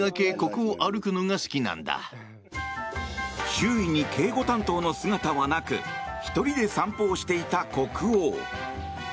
周囲に警護担当の姿はなく１人で散歩をしていた国王。